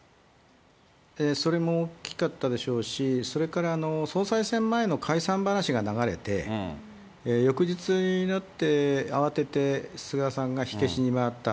それも大きかったでしょうし、それから総裁選前の解散話が流れて、翌日になって、慌てて菅さんが火消しに回った。